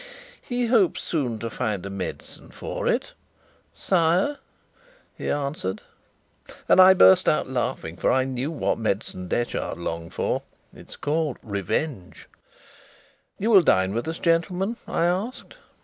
"He hopes soon to find a medicine for it, sire," he answered. And I burst out laughing, for I knew what medicine Detchard longed for it is called Revenge. "You will dine with us, gentlemen?" I asked.